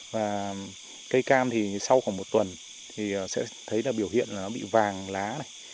và cây cam thì sau khoảng một tuần thì sẽ thấy là biểu hiện là nó bị vàng lá này